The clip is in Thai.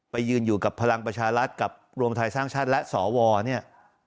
ยืนอยู่กับพลังประชารัฐกับรวมไทยสร้างชาติและสวเนี่ย